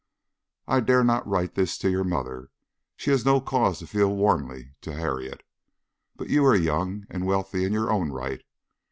"I dare not write this to your mother. She has no cause to feel warmly to Harriet. But you are young, and wealthy in your own right.